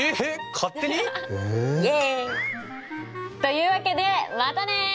勝手に？え？というわけでまたね！